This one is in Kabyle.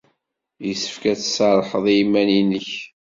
Yessefk ad tserrḥed i yiman-nnek.